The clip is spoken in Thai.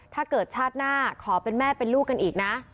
ชาติหน้าขอเป็นแม่เป็นลูกกันอีกนะ